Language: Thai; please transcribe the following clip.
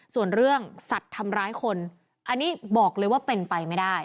ส่วนเรื่องสัตว์ทำร้ายคนอันนี้บอกเลยว่าเป็นไปไม่ได้